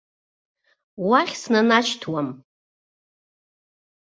Уахь снанашьҭуам!